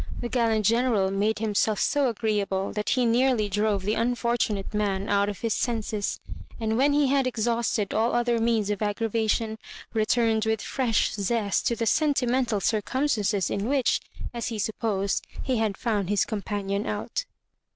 The gallant General made himself so agreeable that be nearly drove the unfortunate man out of his senses, and, when he had ex hausted all other means of aggravation, returned with fresh zest to the sentimental circumstances in which, as he supposed, he had found his com panion out.